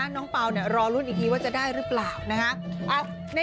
เป่ารอลุ้นอีกทีว่าจะได้หรือเปล่านะคะ